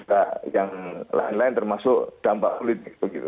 atau tidak yang lain lain termasuk dampak kulit